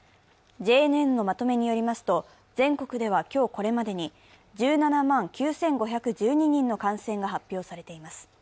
ＪＮＮのまとめによりますと、全国では今日これまでに１７万９５１２人の感染が発表されています。